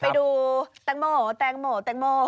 ไปดูตังโมตังโมตังโม